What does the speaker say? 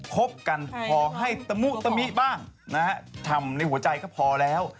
คบกันพอให้ตะมุตะมิบ้างนะฮะทำในหัวใจก็พอแล้ว